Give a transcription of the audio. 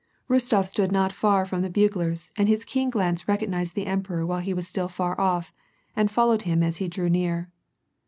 Rostof stood not far from the buglers, and his keen glance recognized the emperor while he was still far off, and followed him as he drew near.